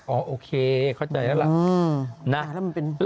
โอเคเข้าใจแล้วล่ะ